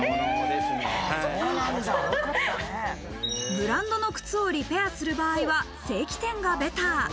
ブランドの靴をリペアする場合は、正規店がベター。